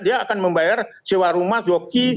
dia akan membayar sewa rumah joki